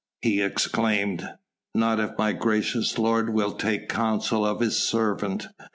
he exclaimed. "Not if my gracious lord will take counsel of his servant.